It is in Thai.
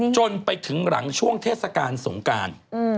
จนไปถึงหลังช่วงเทศกาลสงการ